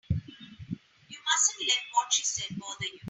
You mustn't let what she said bother you.